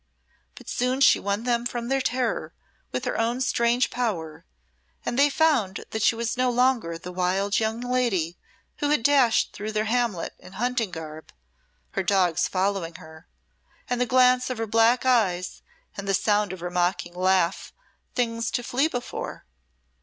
But soon she won them from their terror with her own strange power, and they found that she was no longer the wild young lady who had dashed through their hamlet in hunting garb, her dogs following her, and the glance of her black eyes and the sound of her mocking laugh things to flee before.